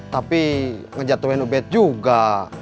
tapi ngejatuhin ubet juga